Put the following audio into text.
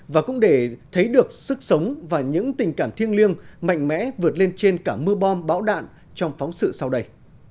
và cũng để thấy được sức sống và những tình cảm thiêng liêng mạnh mẽ vượt lên trên cả mưa bom bão đạn trong phóng sự sau đây